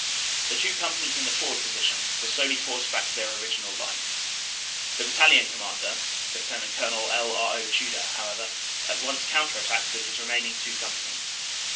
The two companies in the forward position were slowly forced back to their original line. The Battalion Commander, Lt. Col. L. R. O. Tudor, however, at once counter attacked with his remaining two companies.